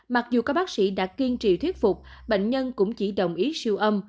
mặc dù các bác sĩ đã kiên trì thuyết phục bệnh nhân cũng chỉ đồng ý siêu âm